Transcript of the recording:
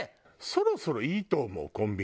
そろそろいいと思うコンビニ。